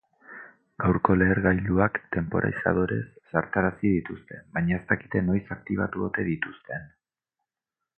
Gaurko lehergailuak tenporizadorez zartarazi dituzte, baina ez dakite noiz aktibatu ote ditzuten.